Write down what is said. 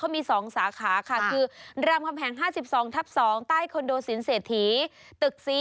มี๒สาขาค่ะคือรามคำแหง๕๒ทับ๒ใต้คอนโดสินเศรษฐีตึก๔